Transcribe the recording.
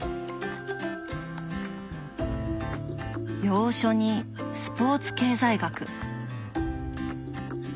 洋書にスポーツ経済学。